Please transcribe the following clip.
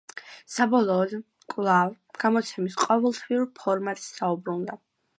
საბოლოოდ, კვლავ, გამოცემის ყოველთვიურ ფორმატს დაუბრუნდა.